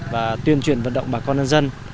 và tuyên truyền vận động bà con nhân dân